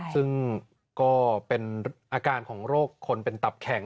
ซึ่งก็เป็นอาการของโรคคนเป็นตับแข็ง